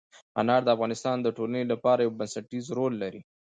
انار د افغانستان د ټولنې لپاره یو بنسټيز رول لري.